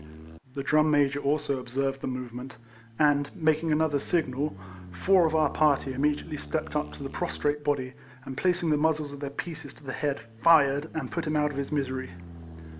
The Drum Major also observed the movement, and, making another signal, four of our party immedi ately stepped up to the prostrate body, and placing the muzzles of their pieces to the head, fired, and put him out of his misery.